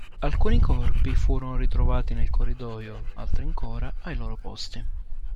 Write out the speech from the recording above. Alcuni corpi furono ritrovati nel corridoio altri ancora ai loro posti.